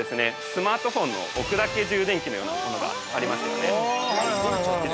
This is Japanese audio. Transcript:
スマートフォンの置くだけ充電器のようなものがありますので。